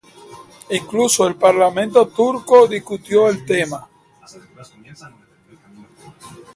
Incluso el parlamento turco discutió el tema.